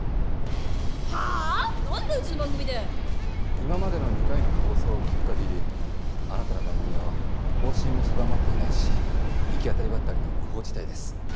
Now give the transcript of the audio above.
今までの２回の放送を聴く限りあなたの番組は方針も定まっていないし行き当たりばったりの無法地帯です。